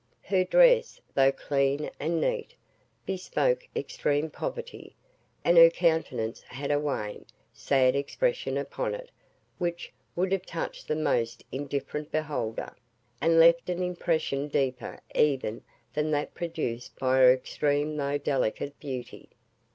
Her dress, though clean and neat, bespoke extreme poverty; and her countenance had a wan, sad expression upon it which would have touched the most indifferent beholder, and left an impression deeper even than that produced by her extreme though delicate beauty.